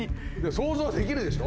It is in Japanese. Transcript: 想像できるでしょ。